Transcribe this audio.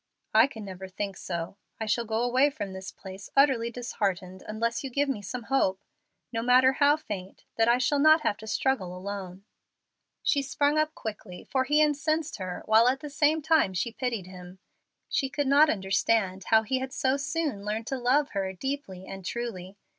"I can never think so. I shall go away from this place utterly disheartened unless you give me some hope, no matter how faint, that I shall not have to struggle alone." She sprung up quickly, for he incensed her, while at the same time she pitied him. She could not understand how he had so soon learned to love her "deeply and truly."